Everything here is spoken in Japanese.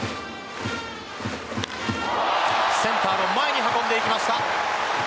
センターの前に運んでいきました。